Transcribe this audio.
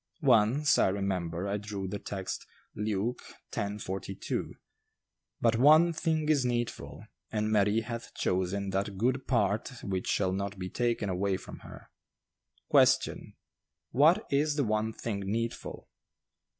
Once, I remember, I drew the text, Luke x. 42: "But one thing is needful; and Mary hath chosen that good part which shall not be taken away from her." Question, "What is the one thing needful?"